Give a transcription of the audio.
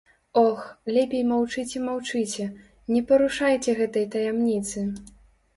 Ох, лепей маўчыце-маўчыце, не парушайце гэтай таямніцы.